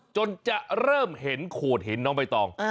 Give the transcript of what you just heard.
จนจะเริ่มเห็นโขนฮินเนาะไม่ต้อง